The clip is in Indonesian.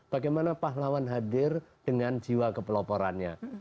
bagaimana pahlawan hadir dengan jiwa kepeloporannya